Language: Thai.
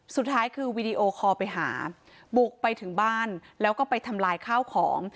สุดท้ายคือวีดีโอคอลไปหาบุกไปถึงบ้านแล้วก็ไปทำลายข้าวของ